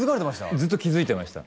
ずっと気付いてました